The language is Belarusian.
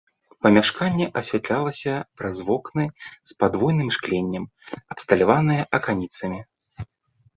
Памяшканне асвятлялася праз вокны з падвойным шкленнем, абсталяваныя аканіцамі.